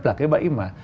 là cái bẫy mà